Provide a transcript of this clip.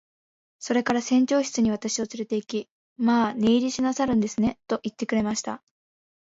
それから船長室に私をつれて行き、「まあ一寝入りしなさるんですね。」と言ってくれました。